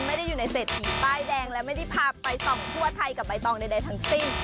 ไม่ได้อยู่ในเศรษฐีป้ายแดงและไม่ได้พาไปส่องทั่วไทยกับใบตองใดทั้งสิ้น